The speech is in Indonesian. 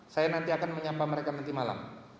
saya nanti akan menyapa mereka nanti malam